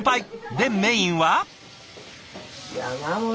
でメインは？